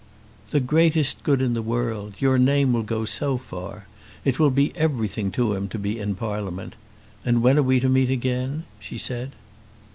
"The greatest good in the world. Your name will go so far! It will be everything to him to be in Parliament. And when are we to meet again?" she said.